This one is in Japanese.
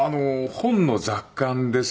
本の雑感ですね。